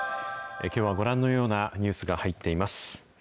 きょうはご覧のようなニュースが入っています。